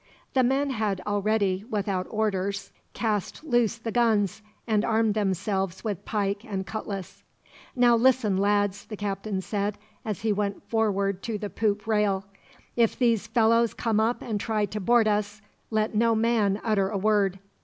The men had already, without orders, cast loose the guns, and armed themselves with pike and cutlass. "Now listen, lads," the captain said, as he went forward to the poop rail, "if these fellows come up and try to board us, let no man utter a word.